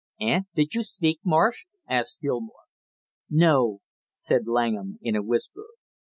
"Eh, did you speak, Marsh?" asked Gilmore. "No," said Langham in a whisper.